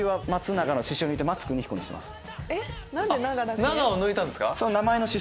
「永」を抜いたんですか？